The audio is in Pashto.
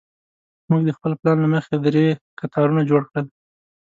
موږ د خپل پلان له مخې درې کتارونه جوړ کړل.